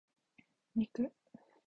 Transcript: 肉